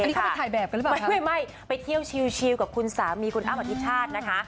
อันนี้เขาไปถ่ายแบบกันหรือเปล่าครับไม่ไม่ไปเที่ยวชิลชิลกับคุณสามีคุณอ้าวอธิชาตินะคะ